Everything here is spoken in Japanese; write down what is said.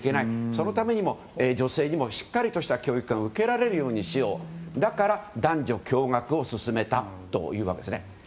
そのためにも女性にもしっかりとした教育が受けられるようにしようとだから、男女共学を進めたというわけです。